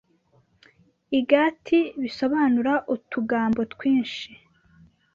igati bisobanura utugambo twinshi,